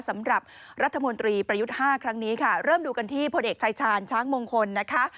สำหรับรัฐมนตรีประยุทธ์๕ครั้งนี้ค่ะเริ่มดูกันที่พลเอกชายชาญช้างมงคลนะคะ